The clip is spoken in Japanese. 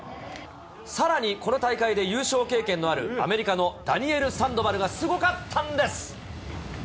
さらに、この大会で優勝経験のある、アメリカのダニエル・サンドバルがすごかったんです。